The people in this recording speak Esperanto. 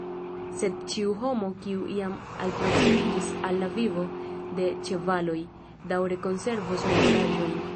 Sed ĉiu homo, kiu jam alproksimiĝis al la vivo de ĉevaloj, daŭre konservos memoraĵojn.